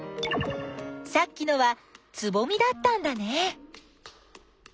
さっきのはつぼみだったんだね。